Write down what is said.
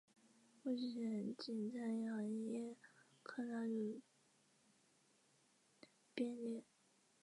目前仅餐饮管理科纳入编列。